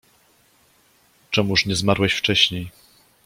Czemuż nie zmarłeś wcześniej?